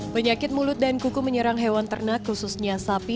penyakit mulut dan kuku menyerang hewan ternak khususnya sapi